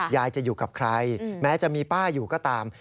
ยายจะอยู่กับใครแม้จะมีป้าอยู่ก็ตาม